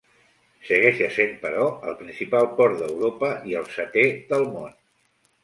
Segueix essent però el principal port d'Europa i el setè del món.